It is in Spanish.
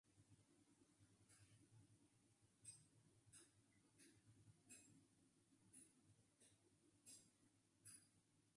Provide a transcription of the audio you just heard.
Los vinos dulces en Alicante son una producción minoritaria.